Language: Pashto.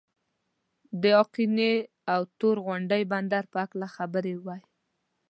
د آقینې او تور غونډۍ بندر په هکله خبرې وای.